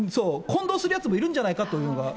混同するやつもいるんじゃないかというのが。